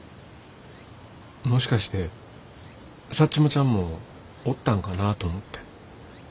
もしかしてサッチモちゃんもおったんかなと思って。